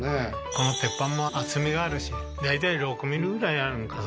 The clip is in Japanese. この鉄板も厚みがあるし大体６ｍｍぐらいあるんかな